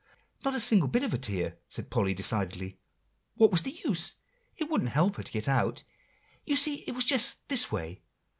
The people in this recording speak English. "Not a single bit of a tear," said Polly decidedly; "what was the use? it wouldn't help her to get out. You see, it was just this way.